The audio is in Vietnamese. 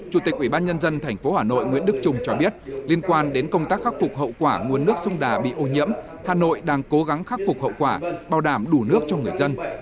hà nội đang cố gắng khắc phục hậu quả bảo đảm đủ nước cho người dân